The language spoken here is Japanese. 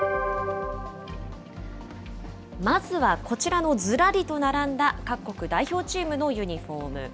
まずはこちらのずらりと並んだ各国代表チームのユニホーム。